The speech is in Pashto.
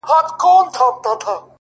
گراني شاعري زه هم داسي يمه؛